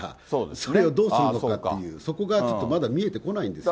それをどうするのかっていう、そこがちょっとまだ見えてこないんですよ。